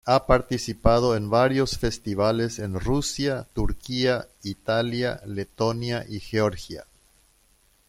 Ha participado en varios festivales en Rusia, Turquía, Italia, Letonia y Georgia.